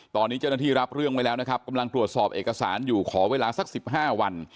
ตอนนี้เจ้าหน้าที่รับเรื่องไว้แล้วนะครับกำลังตรวจสอบเอกสารอยู่ขอเวลาสัก๑๕วัน